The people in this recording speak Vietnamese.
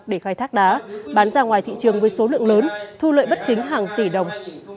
để khai thác đá bán ra ngoài thị trường với số lượng lớn thu lợi bất chính hàng tỷ đồng